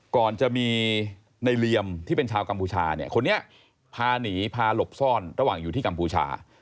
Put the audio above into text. ก่อนจะมีในเหลี่ยมที่เป็นชาวกัมพูชาเนี่ยคนนี้พาหนีพาหลบซ่อนระหว่างอยู่ที่กัมพูชา